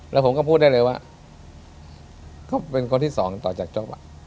แล้วผมก็พูดได้เลยว่าเขาเป็นคนที่สองต่อจากโจ๊ก